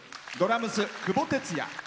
ドラムス、久保哲也。